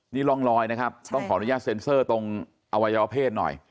นี่ร่องรอยนะครับต้องขออนุญาตเซ็นเซอร์ตรงอวัยวเพศหน่อย